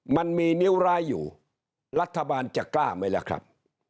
มันมีนิ้วร้ายอยู่รัฐบาลจะกล้าไหมล่ะครับ